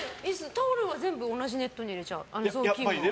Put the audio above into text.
タオルは全部同じネットに入れちゃう。